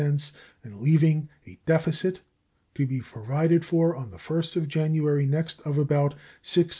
70, and leaving a deficit to be provided for on the 1st of January next of about $627,557.